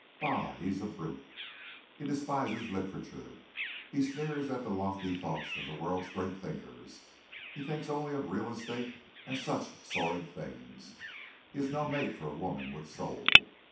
Bah! he is a brute. He despises literature. He sneers at the lofty thoughts of the world's great thinkers. He thinks only of real estate and such sordid things. He is no mate for a woman with soul.